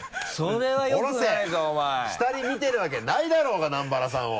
下に見てるわけないだろうが南原さんを。